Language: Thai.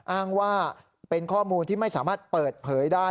อ้างว่าเป็นข้อมูลที่ไม่สามารถเปิดเผยได้